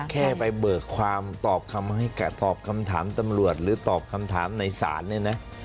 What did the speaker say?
แค่ไปเบิกความตอบคำให้ตอบคำถามตำรวจหรือคำถามในศาลเนี่ยเนี่ย